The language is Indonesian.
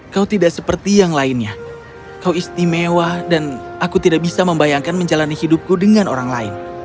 kau tidak seperti yang lainnya kau istimewa dan aku tidak bisa membayangkan menjalani hidupku dengan orang lain